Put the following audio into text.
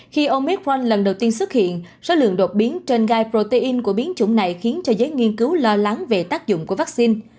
khi omit frank lần đầu tiên xuất hiện số lượng đột biến trên gai protein của biến chủng này khiến cho giới nghiên cứu lo lắng về tác dụng của vaccine